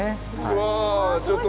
うわあちょっと！